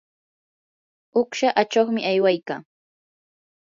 uqsha achuqmi aywaykaa.